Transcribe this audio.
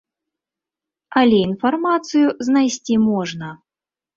Але інфармацыю знайсці можна.